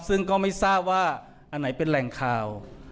ซึ่งก็ไม่ทราบว่าอันไหนเป็นแหล่งข่าว